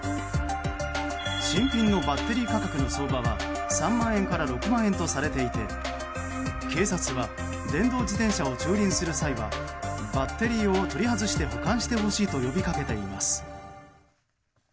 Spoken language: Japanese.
新品のバッテリー価格の相場は３万円から６万円とされていて警察は電動自転車を駐輪する際はバッテリーを取り外して保管してほしいと呼びかけています。